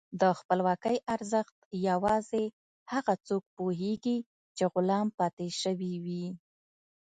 د خپلواکۍ ارزښت یوازې هغه څوک پوهېږي چې غلام پاتې شوي وي.